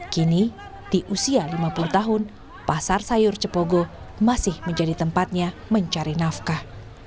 kini di usia lima puluh tahun pasar sayur cepogo masih menjadi tempatnya mencari nafkah